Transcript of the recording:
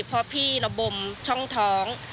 เพราะพี่ระบมช่องท้อง